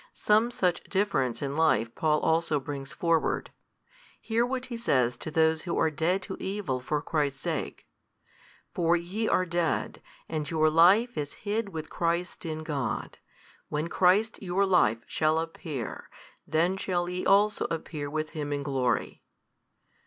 Some such difference in life Paul also brings forward. Hear what he says to those who are dead to evil for Christ's sake, For |200 ye are dead, and your life is hid with Christ in God; when Christ, your 9 life, shall appear, then shall ye also appear with Him in glory.